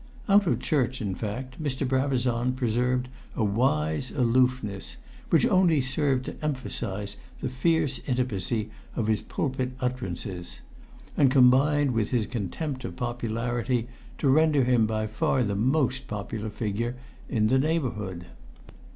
Out of church, in fact, Mr. Brabazon preserved a wise aloofness which only served to emphasise the fierce intimacy of his pulpit utterances, and combined with his contempt of popularity to render him by far the most popular figure in the neighbourhood.